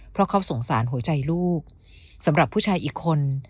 เพราะเขาสงสารหัวใจลูกสำหรับผู้ชายอีกคน